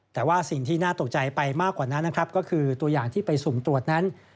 แต่ว่าสิ่งที่น่าตกใจไปมากกว่านั้นนะครับก็คือตัวอย่างที่ไปสุ่มตรวจนั้น